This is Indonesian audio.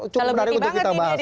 cukup menarik untuk kita bahas